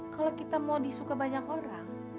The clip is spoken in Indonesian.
kalau kita mau disuka banyak orang